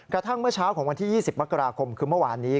กระทั่งเมื่อเช้าของวันที่๒๐มกราคมคือเมื่อวานนี้